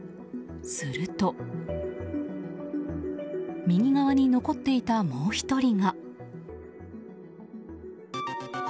すると、右側に残っていたもう１人が。